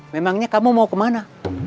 memangnya kamu mau kemana